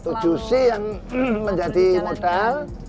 tujuh c yang menjadi modal